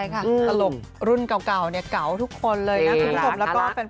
ใช่ค่ะลูกรุ่นเก่าเก๋าทุกคนเลยนะคุณผู้ชม